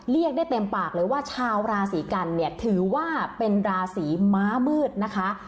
เรียกได้เต็มปากเลยว่าชาวราศีกันเนี่ยถือว่าเป็นราศีม้ามืดนะคะ